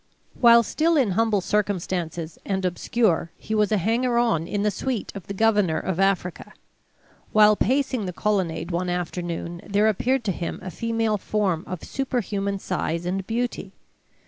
While still in humble circumstances and obscure, he was a hanger on in the suite of the Governor of Africa. While pacing the colonnade one afternoon, there appeared to him a female form of superhuman size and beauty.